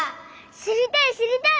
しりたいしりたい！